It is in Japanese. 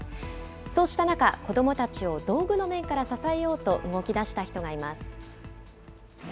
そうした中、子どもたちを道具の面から支えようと、動きだした人がいます。